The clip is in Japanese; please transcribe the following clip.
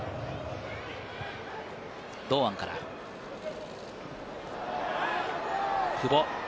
堂安から久保。